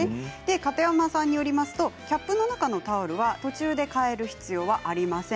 片山さんによりますとキャップの中のタオルは途中でかえる必要はありません。